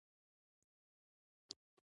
تندی یې ویني شو .